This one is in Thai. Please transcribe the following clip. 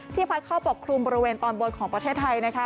พัดเข้าปกครุมบริเวณตอนบนของประเทศไทยนะคะ